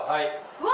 うわ！